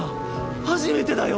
初めてだよ